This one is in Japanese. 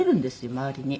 周りに。